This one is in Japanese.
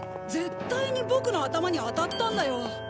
絶対にボクの頭に当たったんだよ。